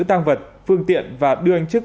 tăng vật phương tiện và đưa anh trức